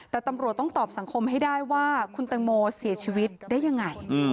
แต่ตำรวจต้องตอบสังคมให้ได้ว่าคุณแตงโมเสียชีวิตได้ยังไง